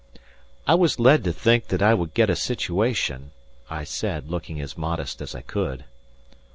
"I was led to think that I would get a situation," I said, looking as modest as I could.